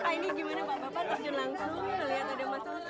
ini gimana pak bapak